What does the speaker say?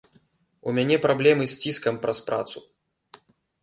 У мяне праблемы з ціскам праз працу.